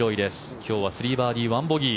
今日は３バーディー１ボギー。